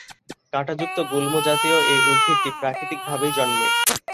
কাঁটাযুক্ত গুল্মজাতীয় এ উদ্ভিদটি প্রাকৃতিক ভাবেই জন্মে।